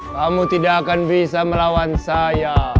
kamu tidak akan bisa melawan saya